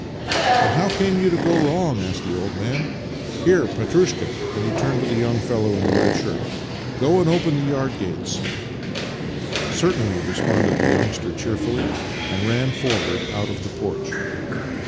" But how came you to go wrong? " asked the old man. " Here, Petrushka "— and he turned to the young fellow in the red shirt —" go and open the yard gates." Master and Man 23 " Certainly," responded the youngster cheerfully, and ran forward out of the porch.